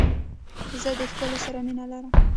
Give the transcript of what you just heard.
زه د کښلو سره مینه لرم.